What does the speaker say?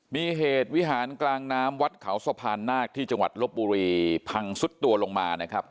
มีเหตุวิหารกลางน้ำวัดเขาสะพานนาคที่จังหวัดลบบุรีพังสุดตัวลงมานะครับ